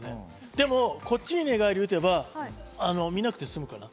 でもこっちに寝返り打てば見なくて済むかな？